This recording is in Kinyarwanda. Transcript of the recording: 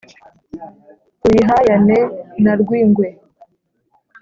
tuyihayane na rwingwe,